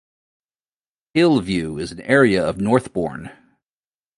Hill View is an area of Northbourne.